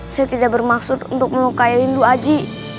saya tidak bermaksud untuk melukai rindu aji